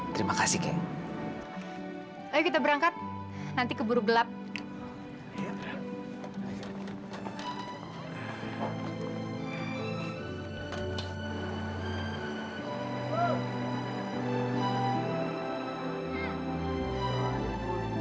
dan itu adalah perbuatan yang sangat mulia